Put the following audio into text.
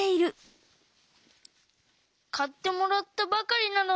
かってもらったばかりなのに。